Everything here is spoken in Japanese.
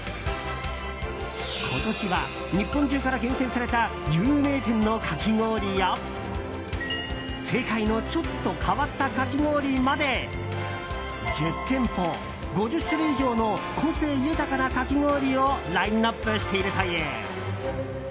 今年は日本中から厳選された有名店のかき氷や世界のちょっと変わったかき氷まで１０店舗、５０種類以上の個性豊かなかき氷をラインアップしているという。